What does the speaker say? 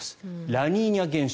ラニーニャ現象。